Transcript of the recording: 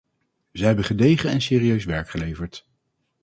Zij hebben gedegen en serieus werk geleverd.